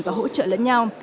và hỗ trợ lẫn nhau